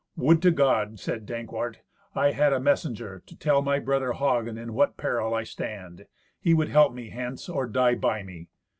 "Would to God," said Dankwart, "I had a messenger to tell my brother Hagen in what peril I stand! He would help me hence, or die by me."